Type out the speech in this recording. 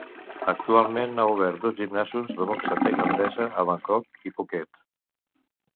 Actualment, ha obert dos gimnasos de boxa tailandesa a Bangkok i Phuket.